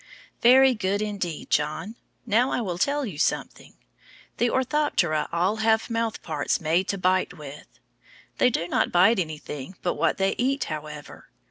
Very good indeed, John. Now I will tell you something. The Orthoptera all have mouth parts made to bite with. They do not bite anything but what they eat, however.